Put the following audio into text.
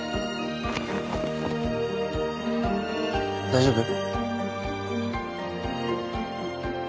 大丈夫？